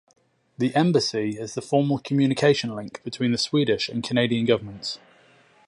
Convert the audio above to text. The embassy is the formal communication link between the Swedish and Canadian governments.